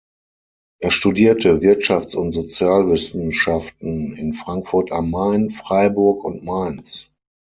Er studierte Wirtschafts- und Sozialwissenschaften in Frankfurt am Main, Freiburg und Mainz.